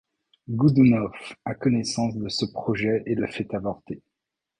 Godounov a connaissance de ce projet et le fait avorter.